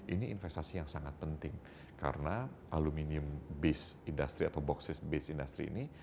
ini investasi yang sangat penting karena aluminium base industri atau bauksit base industri ini